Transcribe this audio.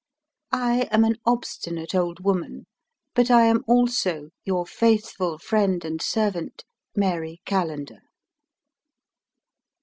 I am an obstinate old woman, but I am also your faithful friend and servant, "MARY CALLENDER."